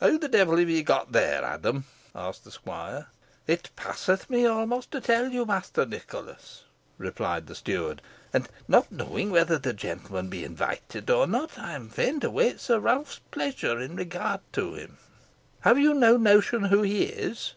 "Who the devil have you got there, Adam?" asked the squire. "It passeth me almost to tell you, Master Nicholas," replied the steward; "and, not knowing whether the gentleman be invited or not, I am fain to wait Sir Ralph's pleasure in regard to him." "Have you no notion who he is?"